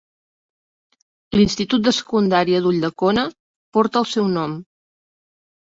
L'institut de secundària d'Ulldecona porta el seu nom.